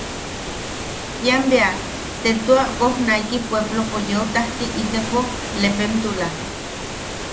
Ian bea te tua wojnaiki pueblopo yeu tajti itepo lepemtula.